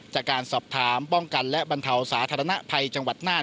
จากการสอบถามป้องกันและบรรเทาสาธารณภัยจังหวัดน่าน